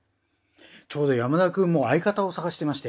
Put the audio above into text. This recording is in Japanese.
ちょうど山田くんも相方を探してまして。